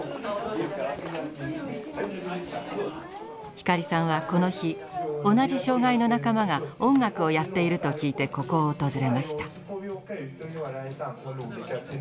光さんはこの日同じ障害の仲間が音楽をやっていると聞いてここを訪れました。